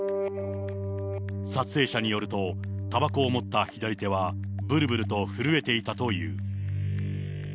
撮影者によると、たばこを持った左手は、ぶるぶると震えていたという。